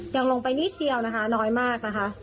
ยังลงไปนิดเดียวนะคะน้อยมากนะคะ